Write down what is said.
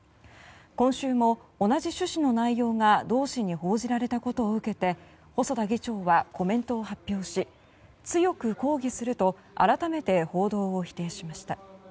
今週も同じ趣旨の内容が同誌に報じられたことを受けて細田議長はコメントを発表し強く抗議すると改めて報道を否定しました。